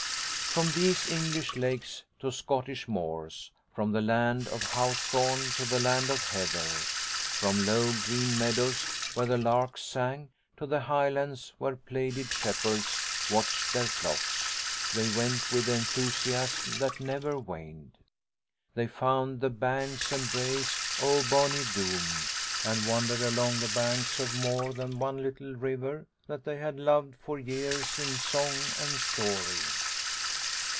From these English lakes to Scottish moors, from the land of hawthorne to the land of heather, from low green meadows where the larks sang, to the highlands where plaided shepherds watched their flocks, they went with enthusiasm that never waned. They found the "banks and braes o' Bonnie Doon," and wandered along the banks of more than one little river that they had loved for years in song and story.